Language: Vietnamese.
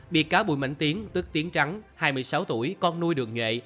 biệt cáo bùi mảnh tiến tức tiến trắng hai mươi sáu tuổi con nuôi đường nhuệ